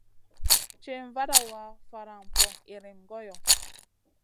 Ciwn vada wa, faran poŋ iyrim goyo.